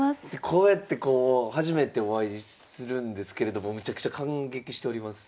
こうやってこう初めてお会いするんですけれどもめちゃくちゃ感激しております。